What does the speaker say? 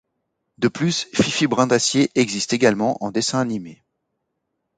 De plus Fifi Brindacier existe également en dessin animé.